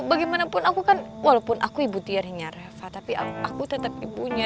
bagaimanapun aku kan walaupun aku ibu tiarinya reva tapi aku tetap ibunya